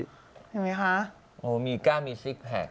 เห็นไหมคะโอ้มีกล้ามีซิกแพค